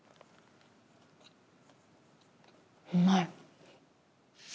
うまい。